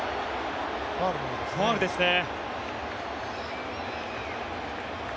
ファウルですね。